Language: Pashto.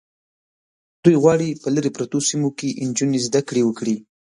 دوی غواړي په لرې پرتو سیمو کې نجونې زده کړې وکړي.